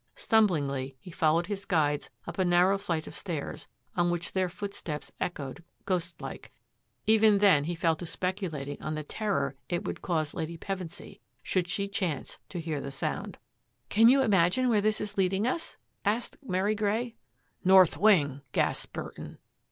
Stumblingly, he followed his guides up a narrow flight of stairs, on which their footsteps echoed ghostlike. Even then he fell to speculating on the terror it would cause Lady Pevensy, should she chance to hear the soimd. 96 THAT AFFAIR AT THE MANOR " Can you Imagine where this is leading us?'* asked Mary Grey. " North wing/' gasped Burton.